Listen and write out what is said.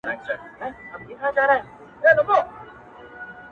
ماته اوس هم راځي حال د چا د ياد.